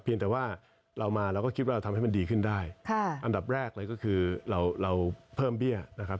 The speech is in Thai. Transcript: แต่ว่าเรามาเราก็คิดว่าเราทำให้มันดีขึ้นได้ค่ะอันดับแรกเลยก็คือเราเราเพิ่มเบี้ยนะครับ